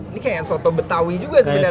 ini kayak soto betawi juga sebenarnya